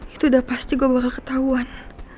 itu udah pasti gue bakal ketahuan